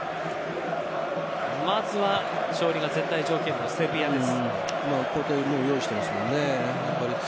まずは勝利が絶対条件のセルビアです。